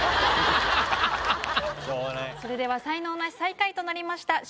それでは才能ナシ最下位となりました